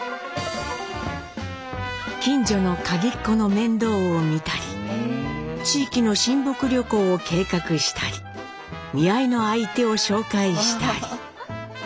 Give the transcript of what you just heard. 近所の鍵っ子の面倒を見たり地域の親睦旅行を計画したり見合いの相手を紹介したり。